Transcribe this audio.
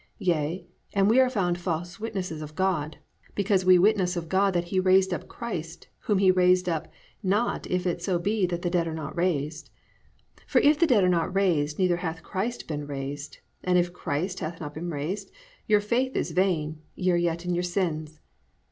Yea, and we are found false witnesses of God; because we witness of God that he raised up Christ: whom he raised not up if so be that the dead are not raised. For if the dead are not raised neither hath Christ been raised: and if Christ hath not been raised, your faith is vain, ye are yet in your sins.